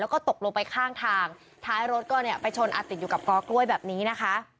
แล้วก็ตกลงไปข้างทางท้ายรถก็เนี่ยไปชนอาติดอยู่กับกอกล้วยแบบนี้นะคะ